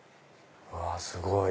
うわすごい！